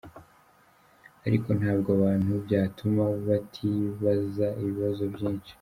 Ariko ntabwo abantu byatuma batibaza ibibazo byinshi.